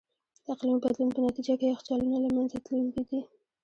د اقلیمي بدلون په نتیجه کې یخچالونه له منځه تلونکي دي.